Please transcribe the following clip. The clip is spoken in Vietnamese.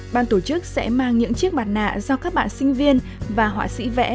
ban tổ chức sẽ mang những chiếc bạt nạ do các bạn sinh viên và họa sĩ vẽ